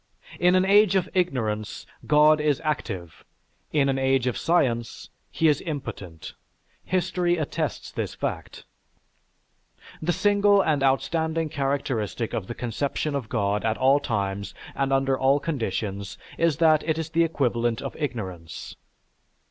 In an age of ignorance, God is active; in an age of science, he is impotent. History attests this fact. "The single and outstanding characteristic of the conception of God at all times, and under all conditions is that it is the equivalent of ignorance.